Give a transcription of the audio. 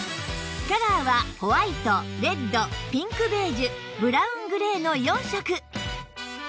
カラーはホワイトレッドピンクベージュブラウングレーの４色